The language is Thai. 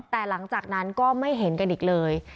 แต่หลังจากนั้นก็ไม่เห็นกันอีกเลย